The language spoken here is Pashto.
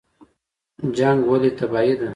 جنګ ولې تباهي ده؟